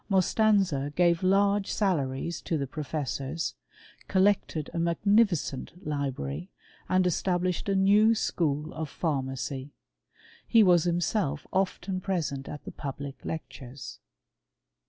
Mostanser gave large salaries to the profes^ ^ sors, collected a magnificent library, and established ^ new school of pharmacy. He was himself often prg^'f sent at the public lectures.